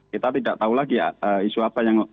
kita tidak tahu lagi isu apa yang